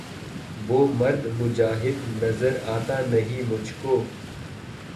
وہ مرد مجاہد نظر آتا نہیں مجھ کو